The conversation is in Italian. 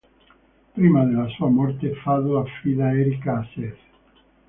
Prima della sua morte, Fado affida Erika a Seth.